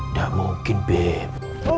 nggak mungkin beb